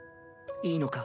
いいのか？